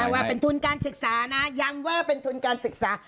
ว่าเป็นทุนการศึกษานะย้ำว่าเป็นทุนการศึกษา